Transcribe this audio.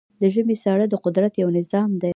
د ژمی ساړه د قدرت یو نظام دی.